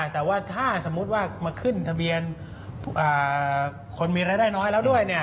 แต่ว่าถ้าสมมุติว่ามาขึ้นทะเบียนคนมีรายได้น้อยแล้วด้วย